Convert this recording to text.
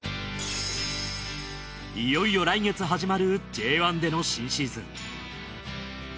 いよいよ来月始まるＪ１での新シーズン。